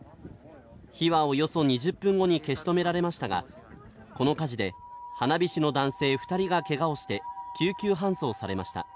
火はおよそ２０分後に消し止められましたが、この火事で花火師の男性２人がけがをして、救急搬送されました。